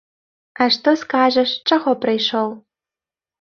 А што скажаш, чаго прыйшоў?